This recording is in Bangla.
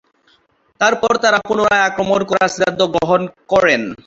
তারপর, তারা পুনরায় আক্রমণ করার সিদ্ধান্ত গ্রহণ করেন।